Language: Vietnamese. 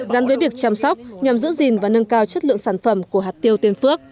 gắn với việc chăm sóc nhằm giữ gìn và nâng cao chất lượng sản phẩm của hạt tiêu tiên phước